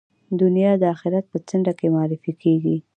دنیا د آخرت په څنډه کې معرفي کېږي.